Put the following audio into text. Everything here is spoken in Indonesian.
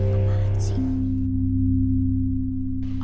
papah papah papah papah